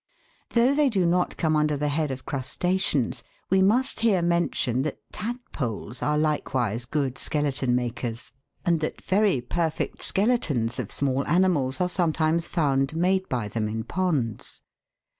Though they do not come under the head of crus taceans, we must here mention that tadpoles are likewise good skeleton makers, and that very perfect skeletons of THE SCAVENGER OF THE OCEAN. 229 small animals are sometimes found made by them in ponds.